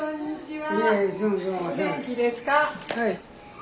はい。